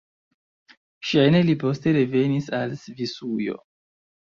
Ŝajne li poste revenis al Svisujo.